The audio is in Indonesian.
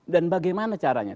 dan bagaimana caranya